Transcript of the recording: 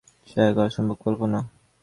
সে এক অসম্ভব কল্পনা।